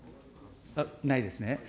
ないですね。